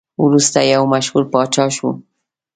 وروسته یو مشهور پاچا شو.